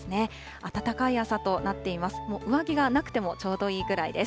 暖かい朝となっています。